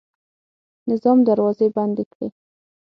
نظام دروازې بندې کړې.